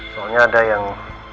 soalnya ada yang